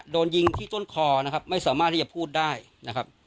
โดนยิงที่ต้นคอนะครับไม่สามารถที่จะพูดได้นะครับ